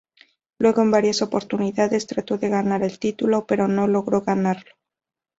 Luego en varias oportunidades trató de ganar el título, pero no logró ganarlo.